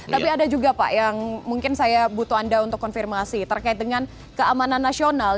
tapi ada juga pak yang mungkin saya butuh anda untuk konfirmasi terkait dengan keamanan nasional